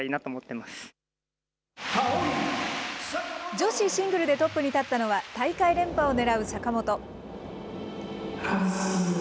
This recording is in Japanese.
女子シングルでトップに立ったのは、大会連覇を狙う坂本。